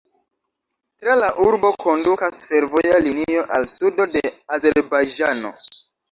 Tra la urbo kondukas fervoja linio al sudo de Azerbajĝano.